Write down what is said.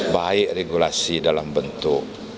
baik regulasi dalam bentuk